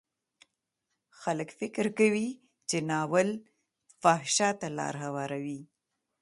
خلک فکر کوي چې ناول فحشا ته لار هواروي.